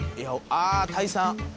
ああ退散。